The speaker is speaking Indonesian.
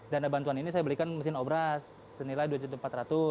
dana bantuan ini saya belikan mesin obras senilai rp dua empat ratus